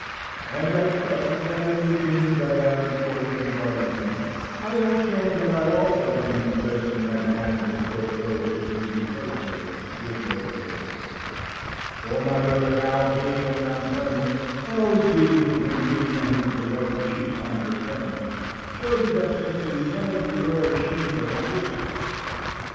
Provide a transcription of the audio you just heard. [And I trust that in the opinions I have recorded regarding him, I have shown that I also can be just and magnanimous towards those who view me personally with no favour. For my brother Hal being at Mount Vernon, and always eager to bring me and his beloved Chief on good terms, showed his Excellency some of the early sheets of my History.